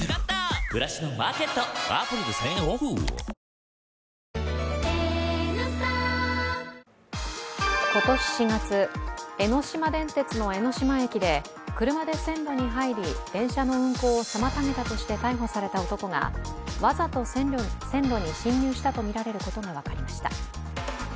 ニトリ今年４月、江ノ島電鉄の江ノ島駅で車で線路に入り、電車の運行を妨げたとして逮捕された男がわざと線路に進入したとみられることが分かりました。